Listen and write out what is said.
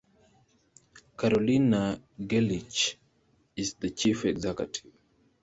Karolina Gerlich is the chief executive.